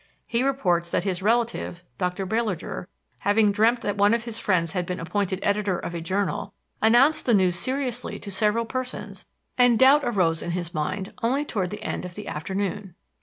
He reports that his relative, Dr. Baillarger, having dreamt that one of his friends had been appointed editor of a journal, announced the news seriously to several persons, and doubt arose in his mind only toward the end of the afternoon.